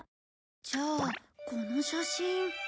じゃあこの写真。